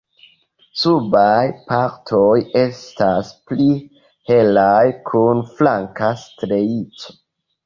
Subaj partoj estas pli helaj kun flanka strieco.